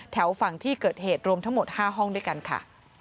แถวฝั่งที่เกิดเหตุรวมทั้งหมด๕ห้องด้วยกันค่ะ